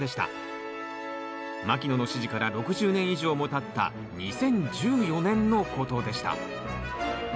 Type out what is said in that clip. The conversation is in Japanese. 牧野の指示から６０年以上もたった２０１４年のことでした。